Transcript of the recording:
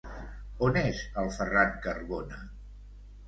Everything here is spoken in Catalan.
On és el Ferran Carbona?